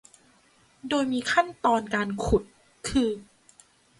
โดยมีขั้นตอนการขุดคือ